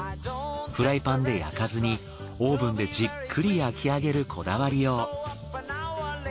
フライパンで焼かずにオーブンでじっくり焼き上げるこだわりよう。